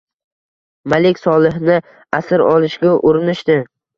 Malik Solihni asir olishga urinishdi